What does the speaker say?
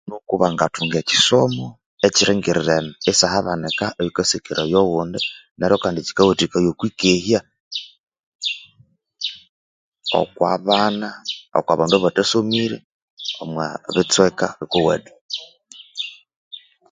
Nuku bangathunga ekyisomo ekyiringirirene isihabanika oyukasekereraya oghundi neru kandi kyikawathikaya okwikehya okwa bana okwa bandu abathasomire omwa ah bitsweka bikuwethu